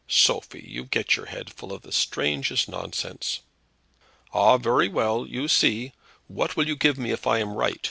Sophie, you get your head full of the strangest nonsense." "Ah; very well. You see. What will you give me if I am right?